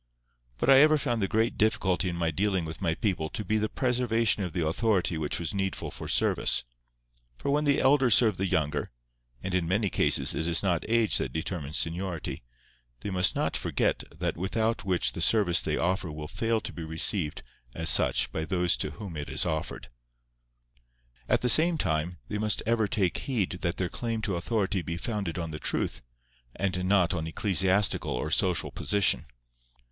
But I ever found the great difficulty in my dealing with my people to be the preservation of the authority which was needful for service; for when the elder serve the younger—and in many cases it is not age that determines seniority—they must not forget that without which the service they offer will fail to be received as such by those to whom it is offered. At the same time they must ever take heed that their claim to authority be founded on the truth, and not on ecclesiastical or social position.